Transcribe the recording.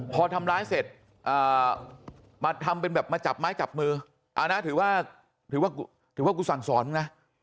พอทำร้ายเสร็จมาจับไม้จับมือถือว่ากูสั่งสอนนะ